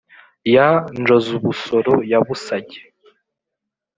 ya njozubusoro ya busage.